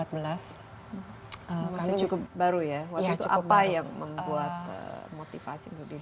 masih cukup baru ya waktu itu apa yang membuat motivasi untuk dibuat